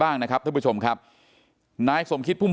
เป็นวันที่๑๕ธนวาคมแต่คุณผู้ชมค่ะกลายเป็นวันที่๑๕ธนวาคม